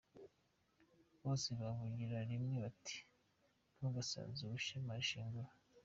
Bose bavugira rimwe bati: "Ntugasaze uw'ishema rishengura."